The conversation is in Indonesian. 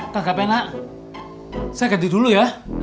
tak gapenak saya ganti dulu ya